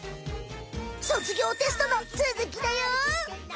卒業テストのつづきだよ！